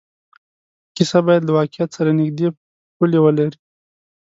کیسه باید له واقعیت سره نږدې پولې ولري.